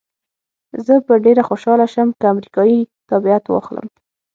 زه به ډېره خوشحاله شم که امریکایي تابعیت واخلم.